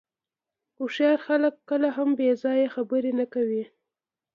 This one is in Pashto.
هوښیار خلک کله هم بې ځایه خبرې نه کوي.